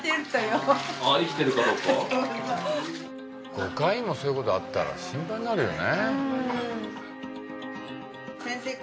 ５回もそういうことあったら心配になるよね。